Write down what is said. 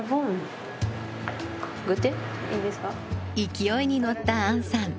勢いに乗った杏さん。